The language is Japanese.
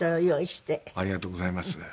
ありがとうございます。